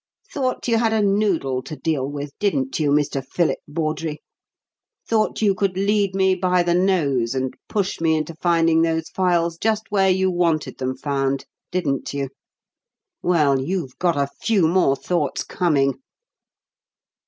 Thought you had a noodle to deal with, didn't you, Mr. Philip Bawdrey? Thought you could lead me by the nose, and push me into finding those phials just where you wanted them found, didn't you? Well, you've got a few more thoughts coming.